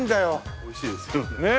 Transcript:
おいしいですよね。